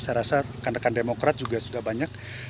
saya rasa kandakan demokrat juga sudah banyak